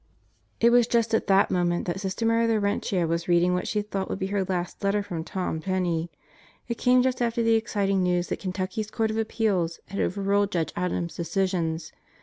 It was just at that moment that Sister Mary Laurentia was reading what she thought would be her last letter from Tom Penney. It came just after the exciting news that Kentucky's Out of the Devffs Clutches 165 Court of Appeals had overruled Judge Adams' decisions.